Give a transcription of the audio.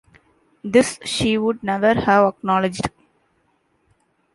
This she would never have acknowledged.